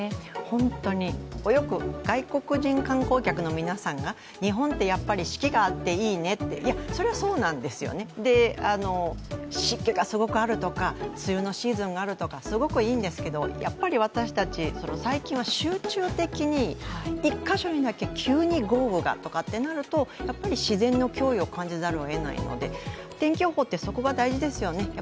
本当に、よく外国人観光客の皆さんが日本ってやっぱり四季があっていいねってそれはそうなんですよね、湿気がすごくあるとか、梅雨のシーズンがあるとか、すごくいいんですけど、やっぱり私たち、最近は集中的に１か所にだけ急に豪雨がとかってなると、自然の驚異を感じざるをえないので天気予報ってそこが大事ですよね。